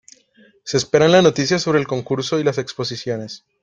Se esperan las noticias sobre el Concurso y las exposiciones.